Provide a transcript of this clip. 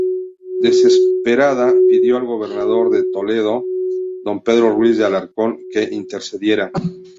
Desesperada pidió al gobernador de Toledo, don Pedro Ruiz de Alarcón, que intercediera.